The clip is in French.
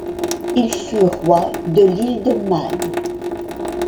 Il fut roi de l'île de Man.